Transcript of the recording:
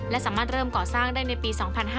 และสามารถเริ่มก่อสร้างได้ในปี๒๕๕๙